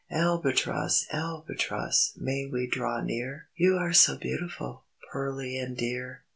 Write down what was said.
"Albatross! Albatross! May we draw near? You are so beautiful, Pearly and dear.